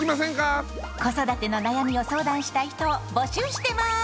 子育ての悩みを相談したい人を募集してます！